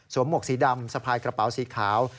หมวกสีดำสะพายกระเป๋าสีขาว